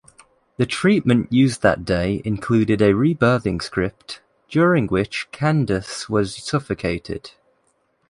The treatment used that day included a rebirthing script, during which Candace was suffocated.